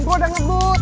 gue udah ngebut